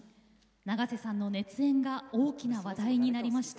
永瀬さんの熱演が大きな話題になりました。